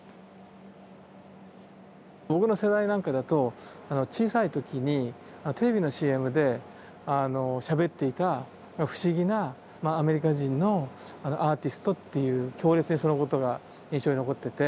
僕の世代なんかだと小さい時にテレビのＣＭでしゃべっていた不思議なアメリカ人のアーティストっていう強烈にそのことが印象に残ってて。